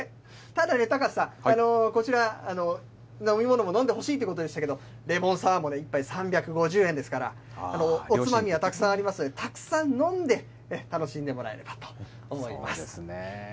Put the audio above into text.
ただね、高瀬さん、こちら、飲み物も飲んでほしいということでしたけれども、レモンサワーも１杯３５０円ですから、おつまみはたくさんありますので、たくさん飲んで、楽しんでもらえればと思います。